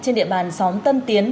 trên địa bàn xóm tân tiến